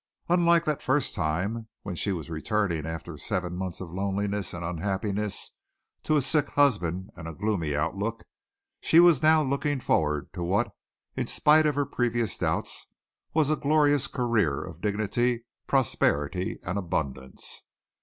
Unlike that first time when she was returning after seven months of loneliness and unhappiness to a sick husband and a gloomy outlook, she was now looking forward to what, in spite of her previous doubts, was a glorious career of dignity, prosperity and abundance.